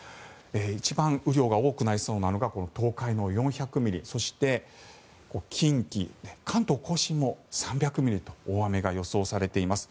一番雨量が多くなりそうなのが東海の４００ミリそして、近畿、関東・甲信も３００ミリと大雨が予想されています。